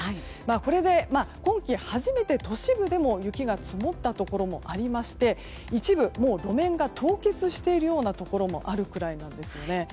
これで今季初めて都市部でも雪が積もったところもありまして一部もう路面が凍結しているようなところもあるくらいなんですよね。